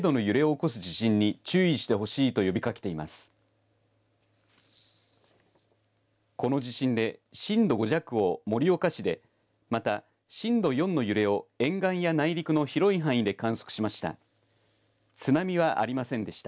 この地震で震度５弱を盛岡市でまた、震度４の揺れを沿岸や内陸の広い範囲で観測しました。